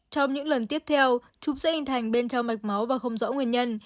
trong những lần tiếp theo trục sẽ hình thành bên trong mạch máu và không rõ nguyên nhân